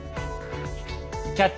「キャッチ！